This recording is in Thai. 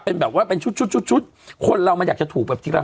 เป็นแบบว่าเป็นชุดชุดชุดชุดคนเรามันอยากจะถูกแบบทีละ